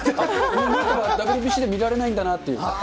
ヌートバー、ＷＢＣで見られないんだなっていう。